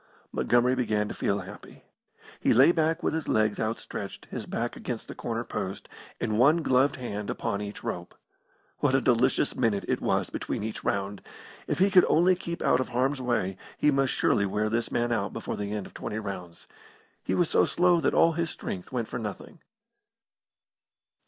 Montgomery began to feel happy. He lay back with his legs outstretched, his back against the corner post, and one gloved hand upon each rope. What a delicious minute it was between each round. If he could only keep out of harm's way, he must surely wear this man out before the end of twenty rounds. He was so slow that all his strength went for nothing.